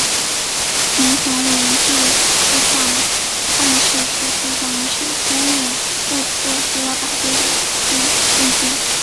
蒙藏委员会驻藏办事处处长沈宗濂对此作出了宝贵的贡献。